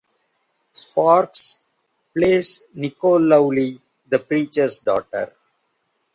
Sparks plays Nicole Lovely the preachers daughter.